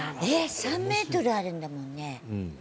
３ｍあるんだもんね。